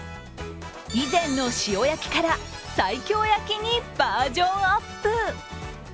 以前の塩焼きから西京焼きにバージョンアップ。